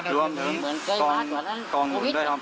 รวมถึงกองทุนด้วยครับ